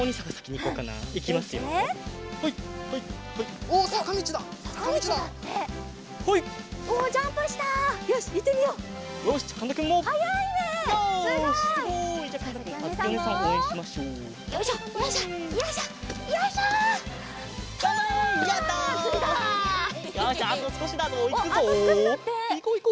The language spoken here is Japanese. いこういこう。